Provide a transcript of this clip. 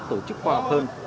tổ chức khoa học hơn